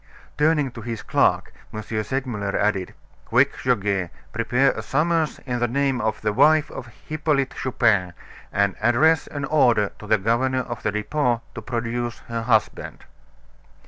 Turning to his clerk, M. Segmuller added: "Quick, Goguet, prepare a summons in the name of the wife of Hippolyte Chupin, and address an order to the governor of the Depot to produce her husband!"